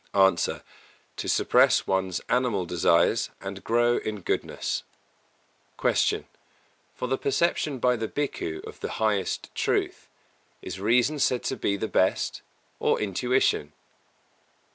_ A. To suppress one's animal desires and grow in goodness. 274. Q. _For the perception by the Bhikkhu of the highest truth, is reason said to be the best, or intuition?